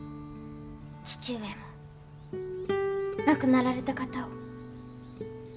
義父上も亡くなられた方を。